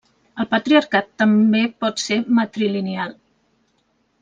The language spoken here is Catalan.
El patriarcat també pot ser matrilineal.